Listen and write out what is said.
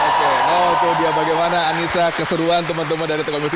oke nolpo dia bagaimana anissa keseruan teman teman dari telkom universiti